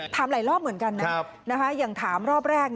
ถามหลายรอบเหมือนกันนะอย่างถามรอบแรก